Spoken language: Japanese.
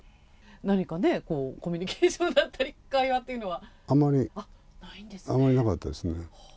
何かね、コミュニケーションだったり、あまり、あまりなかったですね。